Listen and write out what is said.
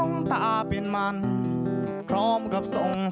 คุณถามไว้ซะครับจบแล้วนะครับ